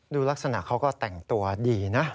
ดูลักษณะเขาก็แต่งตัวดีนะ